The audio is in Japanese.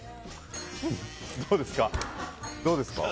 どうですか。